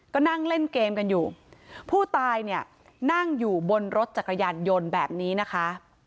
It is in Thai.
ก็นั่งเล่นเกมกันอยู่ผู้ตายเนี่ยนั่งอยู่บนรถจักรยานยนต์แบบนี้นะคะ